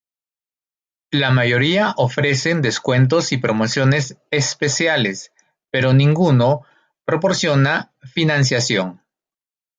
La mayoría ofrecen descuentos y promociones especiales, pero ninguno proporciona financiación.